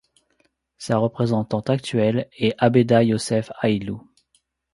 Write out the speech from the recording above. Sa représentante actuelle est Abeba Yosef Haylu.